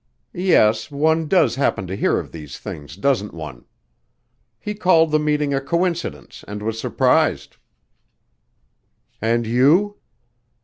"Yes, one does happen to hear of these things, doesn't one? He called the meeting a coincidence and was surprised." "And you?"